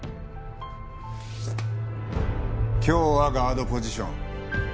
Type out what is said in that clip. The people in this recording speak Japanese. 今日はガードポジション。